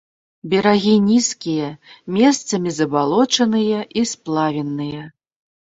Берагі нізкія, месцамі забалочаныя і сплавінныя.